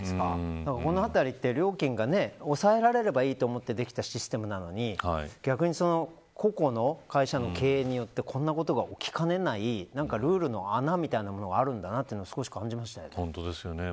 だからこのあたり、料金が抑えられればいいと思ってできたシステムなのに逆に個々の会社の経営によってこんなことが起きかねないルールの穴みたいなものがあるんだなというのを感じましたね。